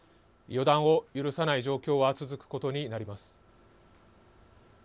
予断を許さない状況は続くことになります。